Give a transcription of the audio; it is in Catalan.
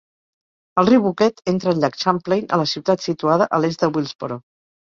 El riu Boquet entra al llac Champlain a la ciutat situada a l'est de Willsboro.